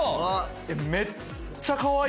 めっちゃかわいい！